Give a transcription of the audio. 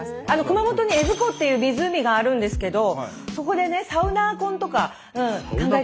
熊本に江津湖っていう湖があるんですけどそこでねサウナ婚とか考えてますので。